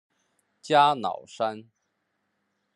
加瑙山。